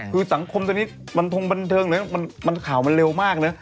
คือสังคมทีนี้มันทงบันเทิงมันข่าวมันเร็วมาก